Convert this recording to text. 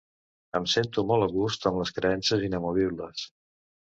Em sento molt a gust amb les creences inamovibles.